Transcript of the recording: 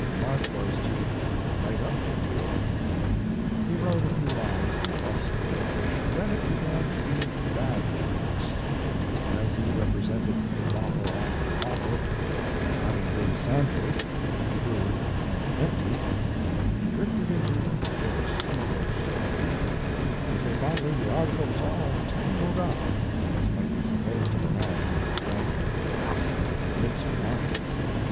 Mark was to "write up" the opening. He wrote a few lines in the best of His Life and Work. 45 English and then it began to be badly mixed, and as he represented bottle after bottle as having been sampled, approved and emptied, he drifted into worse and worse confusion, until finally the article was all tangled up, as might be supposed of a man who had drank a basket of mixed wines.